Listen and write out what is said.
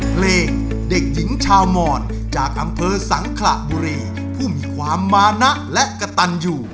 เพลงเด็กหญิงชาวมอนจากอำเภอสังขระบุรีผู้มีความมานะและกระตันอยู่